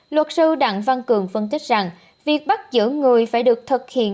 luật sư đặng văn cường phân tích rằng việc bắt giữ người phải được thực hiện